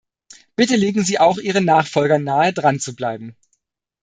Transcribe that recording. Bitte, legen Sie auch Ihren Nachfolgern nahe, dranzubleiben.